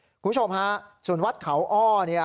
คุณผู้ชมฮะส่วนวัดเขาอ้อเนี่ย